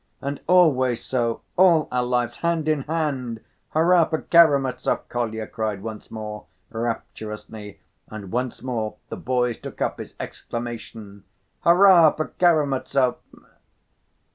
"And always so, all our lives hand in hand! Hurrah for Karamazov!" Kolya cried once more rapturously, and once more the boys took up his exclamation: "Hurrah for Karamazov!"